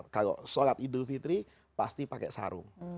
kalau sholat idul fitri pasti pakai sarung